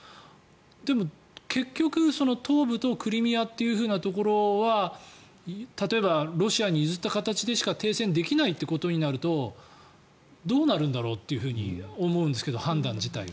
でも、結局東部とクリミアというところは例えばロシアに譲った形でしか停戦できないとなるとどうなるんだろうというふうに思うんですけど、判断自体が。